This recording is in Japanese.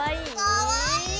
かわいい！